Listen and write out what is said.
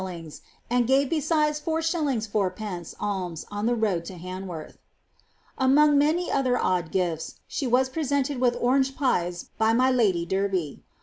and gave besides 49. id, alms on the road to Han worth. Among many other odd gif^s, she was presented with orange pies by my lady Derby.